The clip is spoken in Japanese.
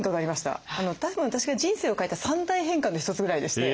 たぶん私が人生を変えた３大変化の一つぐらいでして。